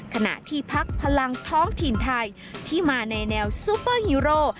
ขณะที่พักพลังท้องถิ่นไทยที่มาในแนวซูเปอร์ฮีโร